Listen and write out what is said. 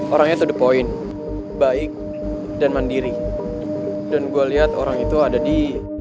orangnya to the point baik dan mandiri dan gue lihat orang itu ada di